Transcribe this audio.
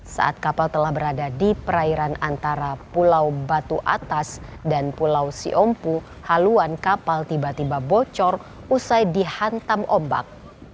saat kapal telah berada di perairan antara pulau batu atas dan pulau siompu haluan kapal tiba tiba bocor usai dihantam ombak